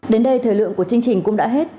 đến đây thời lượng của chương trình cũng đã hết